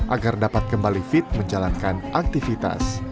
agar dapat kembali fit menjalankan aktivitas